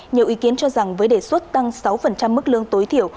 nhiều ý kiến cho rằng với đề xuất tăng sáu mức lương tối thiểu